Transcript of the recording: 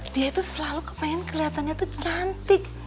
dia itu selalu kemahin kelihatannya tuh cantik